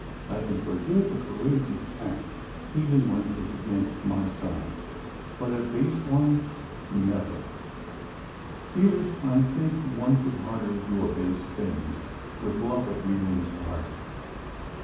I can forgive a courageous act, even when it is against my side, but a base one — never Dearest, I think one could hardly do a base thing with love of you in his heart."